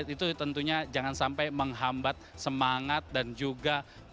itu tentunya jangan sampai menghambat semangat dan juga